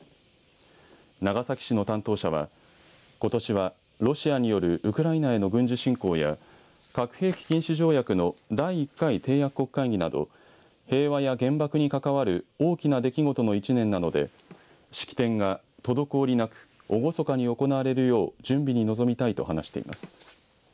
長崎市の担当者はことしはロシアによるウクライナへの軍事侵攻や核兵器禁止条約の第１回締約国会議など平和や原爆に関わる大きな出来事の１年なので式典が滞りなくおごそかに行われるよう準備に臨みたいと話しています。